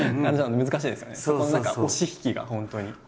そこの押し引きが本当に。